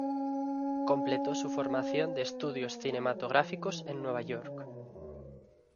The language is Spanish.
Completó su formación de Estudios Cinematográficos en Nueva York.